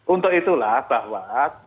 untuk itulah bahwa